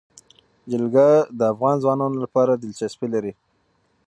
جلګه د افغان ځوانانو لپاره دلچسپي لري.